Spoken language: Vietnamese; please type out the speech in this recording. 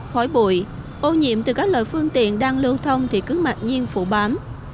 khỏi bụi ô nhiệm từ các loại phương tiện đang lưu thông thì cứ mạc nhiên phụ bám